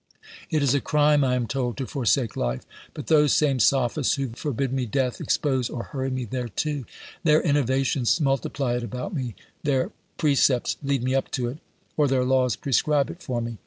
It is a crime, I am told, to forsake life. But those same sophists who forbid me death expose or hurry me thereto. Their innovations multiply it about me, their OBERMANN 147 precepts lead me up to it, or their laws prescribe it for me.